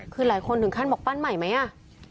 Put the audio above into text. คือหลายคนถึงขั้นบอกปั้นใหม่ไหมอ่ะ